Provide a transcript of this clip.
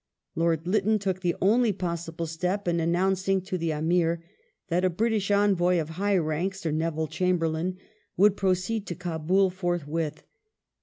Lord Lytton took the only possible step in announcing to the Amir that a Bntish Envoy of high rank, Sir Neville Chamberlain, would proceed to Kdbul forthwith.